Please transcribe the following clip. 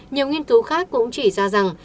nhiều nghiên cứu khác cũng chỉ ra rằng